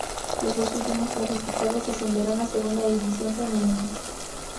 Los dos últimos clasificados descenderán a Segunda División Femenina.